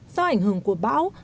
do ảnh hưởng của bão